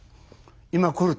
今来ると。